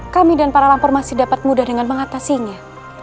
kami dan para lampur masih dapat mudah dengan mengatasinya